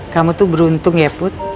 kamu tuh beruntung ya put